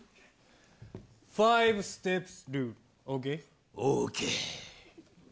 ファイブステップスルールＯＫ？ＯＫ。